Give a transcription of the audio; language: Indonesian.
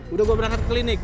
udah gue berangkat ke klinik